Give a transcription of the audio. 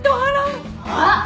あっ！